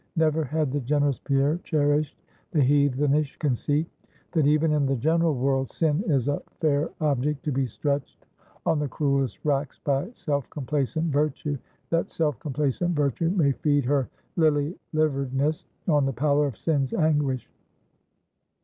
Never had the generous Pierre cherished the heathenish conceit, that even in the general world, Sin is a fair object to be stretched on the cruelest racks by self complacent Virtue, that self complacent Virtue may feed her lily liveredness on the pallor of Sin's anguish.